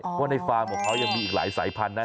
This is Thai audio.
เพราะว่าในฟาร์มของเขายังมีอีกหลายสายพันธุนะ